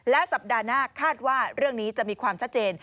สัปดาห์หน้าคาดว่าเรื่องนี้จะมีความชัดเจน